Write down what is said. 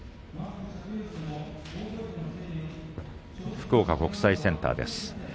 福岡国際センターです。